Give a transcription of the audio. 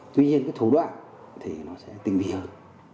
tuy nhiên cái thủ đoạn thì nó sẽ tình biệt hơn